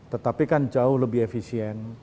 tetapi kan jauh lebih efisien